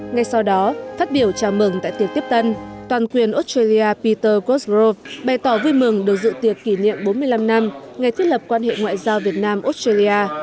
ngay sau đó phát biểu chào mừng tại tiệc tiếp tân toàn quyền australia peter cotgrov bày tỏ vui mừng được dự tiệc kỷ niệm bốn mươi năm năm ngày thiết lập quan hệ ngoại giao việt nam australia